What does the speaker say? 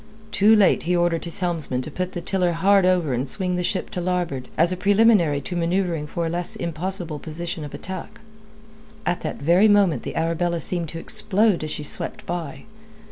Too late he ordered his helmsman to put the tiller hard over and swing the ship to larboard, as a preliminary to manoeuvring for a less impossible position of attack. At that very moment the Arabella seemed to explode as she swept by.